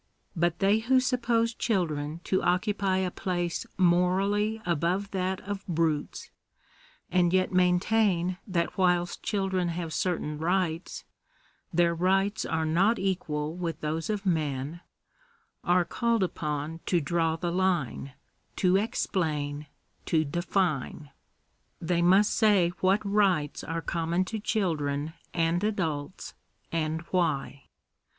But they who sup pose children to occupy a place morally above that of brutes, and yet maintain that whilst children have certain rights, their rights are not equal with those of men, are called upon to draw * I the line, to explain, to define. They must say what rights are ! common to children and adults, and why.